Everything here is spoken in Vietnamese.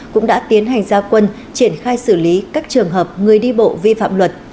cũng đã tiến hành gia quân triển khai xử lý các trường hợp người đi bộ vi phạm luật